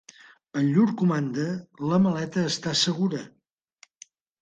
En llur comanda, la maleta està segura.